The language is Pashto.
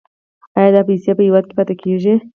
آیا دا پیسې په هیواد کې پاتې کیږي؟